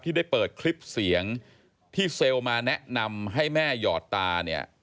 ได้เปิดคลิปเสียงที่เซลล์มาแนะนำให้แม่หยอดตาเนี่ย